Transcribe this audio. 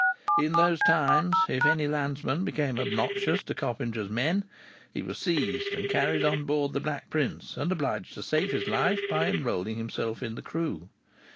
In those times, if any landsman became obnoxious to Coppinger's men, he was seized and carried on board The Black Prince, and obliged to save his life by enrolling himself in the crew.